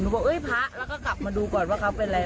บอกเอ้ยพระแล้วก็กลับมาดูก่อนว่าเขาเป็นอะไร